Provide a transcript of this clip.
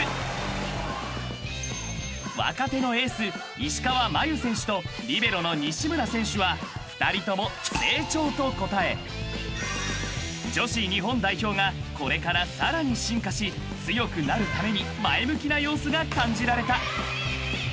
［若手のエース石川真佑選手とリベロの西村選手は２人とも成長と答え女子日本代表がこれからさらに進化し強くなるために前向きな様子が感じられた］